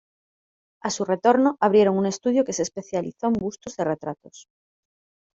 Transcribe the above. A su retorno, abrieron un estudio que se especializó en bustos de retratos.